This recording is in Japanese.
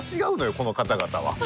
この方々は。